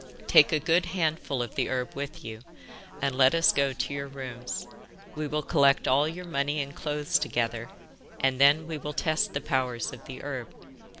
'Take a good handful of the herb with you, and let us go to your rooms. We will collect all your money and clothes together, and then we will test the powers of the herb.